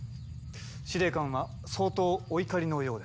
司令官は相当お怒りのようですな。